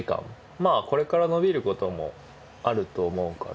まあこれから伸びることもあると思うから。